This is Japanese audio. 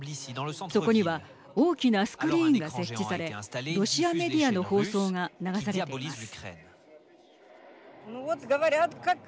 そこには大きなスクリーンが設置されロシアメディアの放送が流されています。